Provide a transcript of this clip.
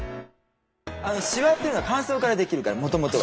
しわというのは乾燥から出来るからもともとは。